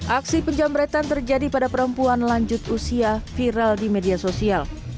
aksi penjamretan terjadi pada perempuan lanjut usia viral di media sosial